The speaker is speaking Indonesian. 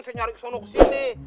saya nyari kesana kesini